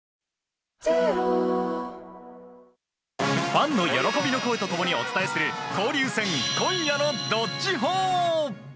ファンの喜びの声と共にお伝えする交流戦今夜の「＃どっちほー」。